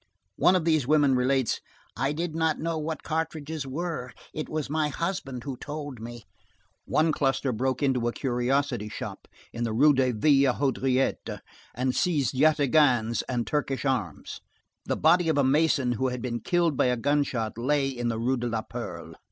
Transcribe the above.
One of these women relates: "I did not know what cartridges were; it was my husband who told me." One cluster broke into a curiosity shop in the Rue des Vieilles Haudriettes, and seized yataghans and Turkish arms. The body of a mason who had been killed by a gun shot lay in the Rue de la Perle.